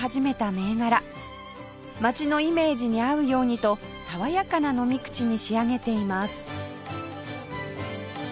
街のイメージに合うようにと爽やかな飲み口に仕上げています